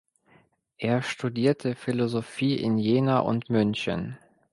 Er studierte Philosophie in Jena und München.